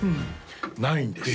ないんです